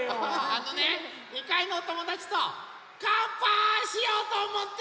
あのね２かいのおともだちとかんぱいしようとおもって。